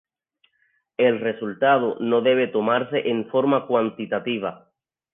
El resultado no debe tomarse en forma cuantitativa.